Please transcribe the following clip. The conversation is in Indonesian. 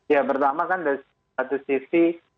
ya pertama kan dari satu sisi